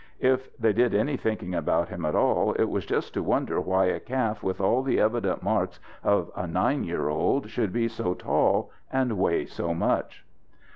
If they did any thinking about him at all, it was just to wonder why a calf with all the evident marks of a nine year old should be so tall and weigh so much.